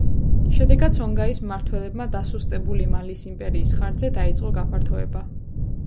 შედეგად სონგაის მმართველებმა დასუსტებული მალის იმპერიის ხარჯზე დაიწყო გაფართოება.